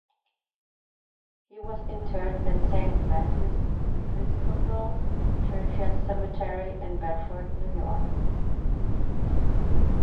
He was interred in Saint Matthew's Episcopal Churchyard cemetery in Bedford, New York.